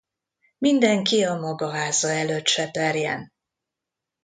Mindenki a maga háza előtt seperjen.